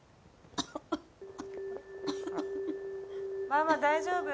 ママ大丈夫？